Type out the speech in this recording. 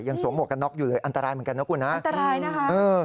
สวมหวกกันน็อกอยู่เลยอันตรายเหมือนกันนะคุณฮะอันตรายนะคะเออ